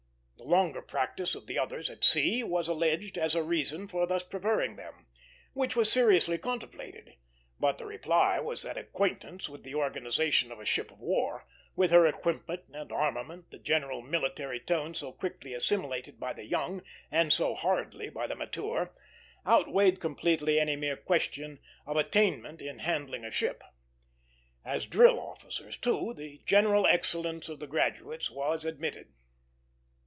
The longer practice of the others at sea was alleged as a reason for thus preferring them, which was seriously contemplated; but the reply was that acquaintance with the organization of a ship of war, with her equipment and armament, the general military tone so quickly assimilated by the young and so hardly by the mature, outweighed completely any mere question of attainment in handling a ship. As drill officers, too, the general excellence of the graduates was admitted.